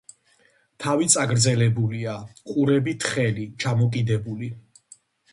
თავი წაგრძელებულია, ყურები თხელი, ჩამოკიდებული.